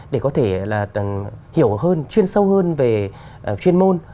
để có thể là hiểu hơn chuyên sâu hơn về chuyên môn